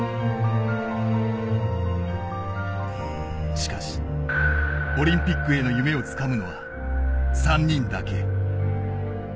しかしオリンピックへの夢をつかむのは３人だけ。